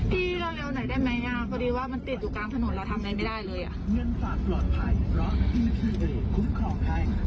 พี่เลี้ยวหน่อยได้ไหมพอดีว่ามันติดอยู่กลางถนนเราทำได้ไม่ได้เลยอ่ะ